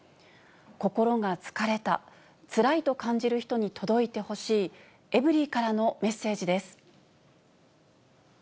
心が疲れた、つらいと感じる人に届いてほしい、エブリィからのメッセージです。